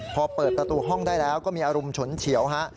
พอเปิดประตูห้องได้แล้วก็มีอารมณ์ฉุนเฉียวฮะ